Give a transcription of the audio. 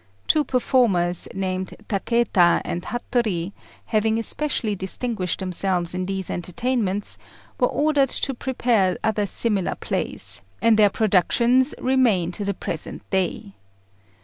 Two performers, named Takéta and Hattori, having especially distinguished themselves in these entertainments, were ordered to prepare other similar plays, and their productions remain to the present day.